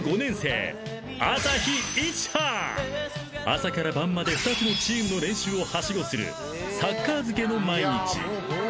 ［朝から晩まで２つのチームの練習をはしごするサッカー漬けの毎日］